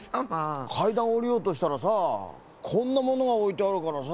かいだんおりようとしたらさこんなものがおいてあるからさ。